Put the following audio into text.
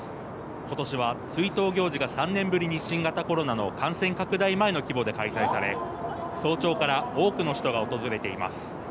ことしは追悼行事が３年ぶりに新型コロナの感染拡大前の規模で開催され早朝から多くの人が訪れています。